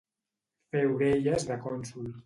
Fer orelles de cònsol.